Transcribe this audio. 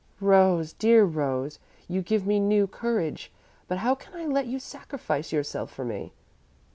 "Rose, dear Rose! You give me new courage, but how can I let you sacrifice yourself for me?"